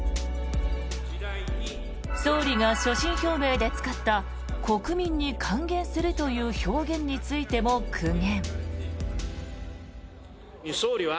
総理が所信表明で使った国民に還元するという表現についても苦言。